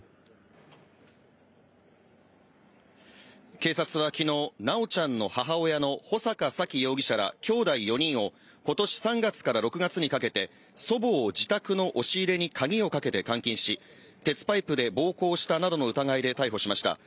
警察はきのうの修ちゃんの母親の穂坂沙喜容疑者らきょうだい４人を今年３月から６月にかけて、祖母を自宅の押入れに鍵をかけて監禁し、鉄パイプで暴行したなどの疑いで逮捕しました。